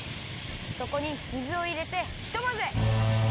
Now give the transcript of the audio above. そこに水をいれてひとまぜ。